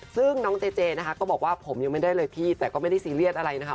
ซึ่งน้องเจเจนะคะก็บอกว่าผมยังไม่ได้เลยพี่แต่ก็ไม่ได้ซีเรียสอะไรนะคะ